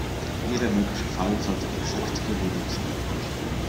Jeder mögliche Fall sollte exakt geregelt sein.